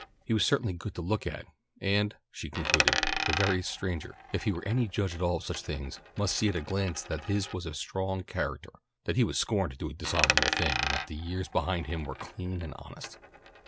He was certainly good to look at, and, she concluded, the veriest stranger, if he were any judge at all of such things, must see at a glance that his was a strong character, that he would scorn to do a dishonourable thing and that the years behind him were clean and honest.